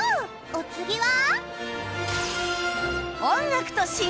お次は。